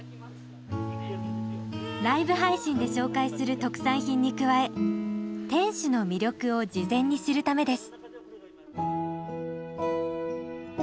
ライブ配信で紹介する特産品に加え店主の魅力を事前に知るためです。